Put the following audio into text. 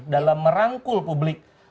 dalam merangkul publik